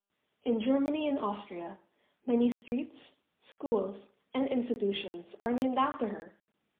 In Germany and Austria, many streets, schools and institutions are named after her.